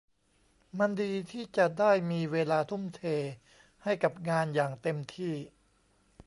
มันดีที่จะได้มีเวลาทุ่มเทให้กับงานอย่างเต็มที่